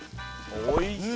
おいしい！